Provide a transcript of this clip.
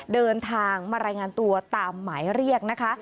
เดินทางมารายงานตัวตามหมายเรียกนะคะ